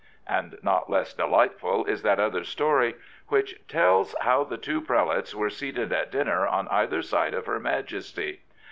" And not less delightful is that other story which tells how the two prelates were seated at dinner on either side of her Majesty.